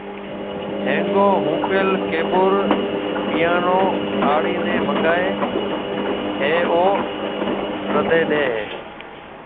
ۿينگون ھونپيل ڪيبور (پيئانو) آڙي ني منگائي ھيَََ او رڌم ڏي ھيَََ